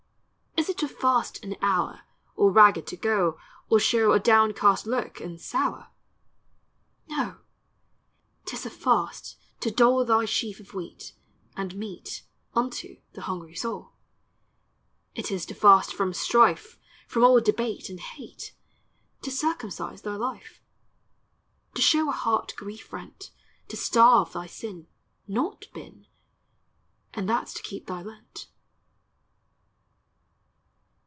Is it to fast an hour. Or ragg'd to go, Or show A downcast look, and sour? No! 't is a fast to dole Thy sheaf of wheat, And meat, Unto the hungry soul. It is to fast from strife, From old debate And hate, To circumcise thy life. To show a heart grief rent; To starve thy sin, Not bin, And that's to keep thy Lent.